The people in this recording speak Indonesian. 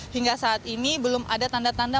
hingga saat ini belum ada tanda tanda